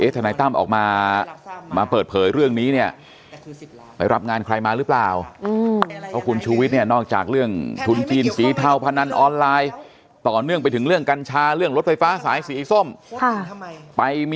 ไปมีเรื่องกับถังพักการเมืองอีกอะไรอีกเนี่ยใช่ไหม